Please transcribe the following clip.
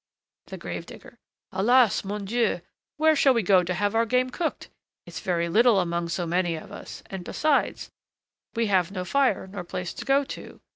THE GRAVE DIGGER. Alas! mon Dieu! where shall we go to have our game cooked? it's very little among so many of us; and, besides, we have no fire nor place to go to.